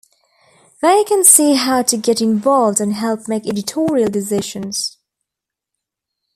They can see how to get involved and help make editorial decisions.